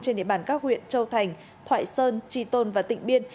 trên địa bàn các huyện châu thành thoại sơn tri tôn và tỉnh biên